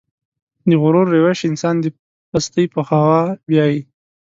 د غرور روش انسان د پستۍ په خوا بيايي.